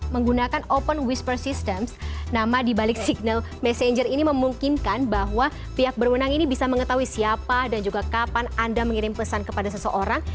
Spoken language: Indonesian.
menggunakan open wisper systems nama dibalik signal messenger ini memungkinkan bahwa pihak berwenang ini bisa mengetahui siapa dan juga kapan anda mengirim pesan kepada seseorang